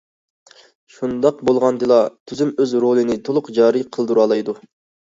شۇنداق بولغاندىلا تۈزۈم ئۆز رولىنى تولۇق جارى قىلدۇرالايدۇ.